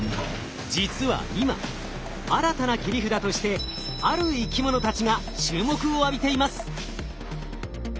実は今新たな切り札としてある生き物たちが注目を浴びています。